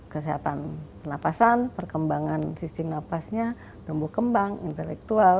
kesehatan pernapasan perkembangan sistem nafasnya tumbuh kembang intelektual